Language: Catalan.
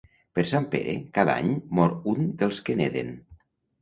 Per Sant Pere, cada any mor un dels que neden.